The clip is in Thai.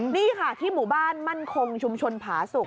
นี่ค่ะที่หมู่บ้านมั่นคงชุมชนผาสุก